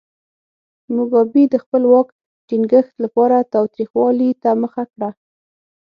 موګابي د خپل واک ټینګښت لپاره تاوتریخوالي ته مخه کړه.